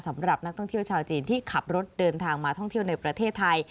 สำหรับนักท่องเที่ยวชาวจีนที่ขับรถเดินทางมาท่องเที่ยวในประเทศไทย